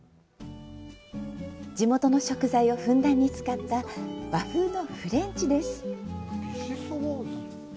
地元の食材をふんだんに使った和風のフレンチです。